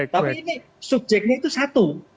tapi ini subjeknya itu satu